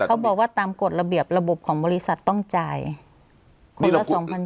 เขาบอกว่าตามกฎระเบียบระบบของบริษัทต้องจ่ายคนละ๒๐๐